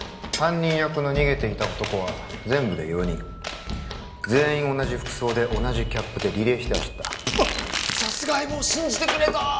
犯人役の逃げていた男は全部で４人全員同じ服装で同じキャップでリレーして走ったわっさすが相棒信じてくれた！